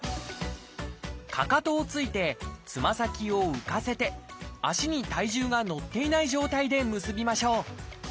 かかとをついてつま先を浮かせて足に体重が乗っていない状態で結びましょう。